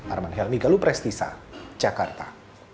arman helmi galu prestisa jakarta